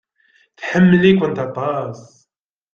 Tḥemmel-ikent aṭas.